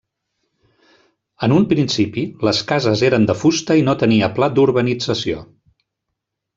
En un principi les cases eren de fusta i no tenia pla d'urbanització.